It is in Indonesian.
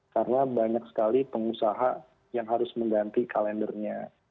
karena banyak sekali pengusaha yang harus mengganti kalendernya